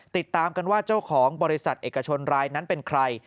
ติดตามกันว่าเจ้าของบริษัทเอกชนรายนั้นเป็นใคร